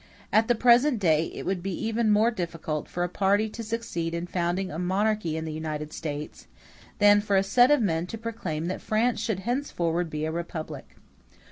At the present day it would be even more difficult for a party to succeed in founding a monarchy in the United States than for a set of men to proclaim that France should henceforward be a republic.